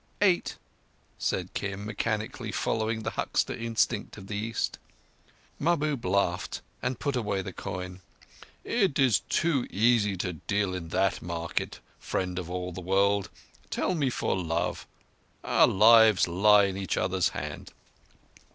"Eight!" said Kim, mechanically following the huckster instinct of the East. Mahbub laughed, and put away the coin. "It is too easy to deal in that market, Friend of all the World. Tell me for love. Our lives lie in each other's hand."